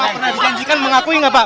pak pernah dijanjikan mengakui gak pak